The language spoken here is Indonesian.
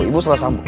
ibu salah sambung